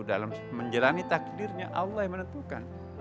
dalam menjalani takdirnya allah yang menentukan